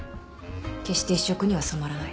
決して一色には染まらない。